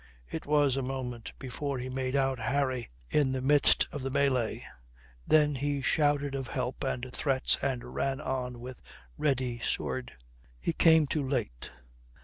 It was a moment before he made out Harry in the midst of the mêlée. Then he shouted of help and threats and ran on with ready sword. He came too late.